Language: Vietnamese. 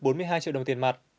bốn mươi hai triệu đồng tiền mặt